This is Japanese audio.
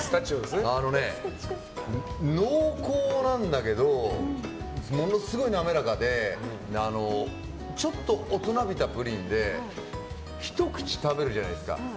濃厚なんだけどものすごい滑らかでちょっと大人びたプリンでひと口食べるじゃないですか。